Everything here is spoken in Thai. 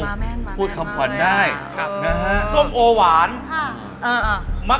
มาแม่นมาแม่นมา